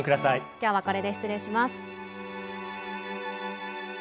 「今日はこれで失礼します」。